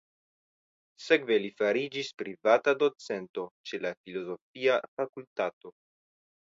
Sekve li fariĝis privata docento ĉe la filozofia fakultato.